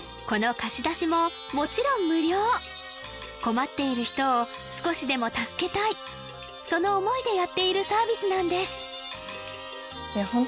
この貸し出しももちろん無料困っている人を少しでも助けたいその思いでやっているサービスなんですいや